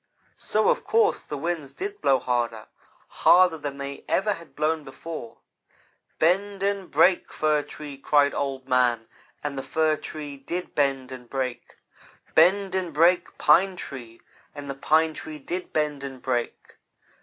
"So, of course, the winds did blow harder harder than they ever had blown before. "'Bend and break, Fir Tree!' cried Old man, and the Fir Tree did bend and break. 'Bend and break, Pine Tree!' and the Pine Tree did bend and break.